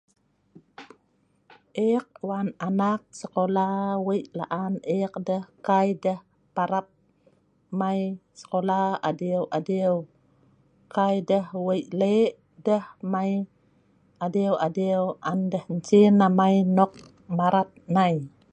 ek wan anak sekola weik la'an ek deh kai deh parap mai sekola adiu adiu kai deh weik lek deh mei adiu adiu on deh sin amai nok marat nai